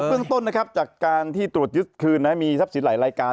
เบื้องต้นนะครับจากการทรัพย์สินหลายรายการ